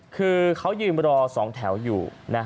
คือเขายืนรอ๒แถวอยู่